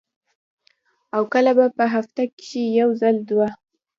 او کله پۀ هفته کښې یو ځل دوه ـ